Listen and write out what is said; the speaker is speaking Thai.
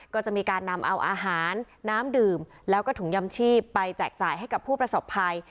ก็จะมีการนำเอาอาหารน้ำดื่มแล้วก็ถุงยำชีพไปแจกจ่ายให้กับผู้ประสบภัย